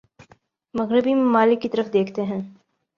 مغربی ممالک کی طرف دیکھتے ہیں